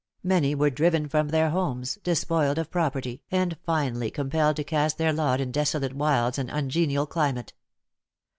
Many were driven from their homes, despoiled of property, and finally compelled to cast their lot in desolate wilds and an ungenial climate.